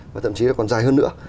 và thậm chí là còn dài hơn nữa